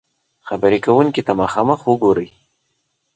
-خبرې کونکي ته مخامخ وګورئ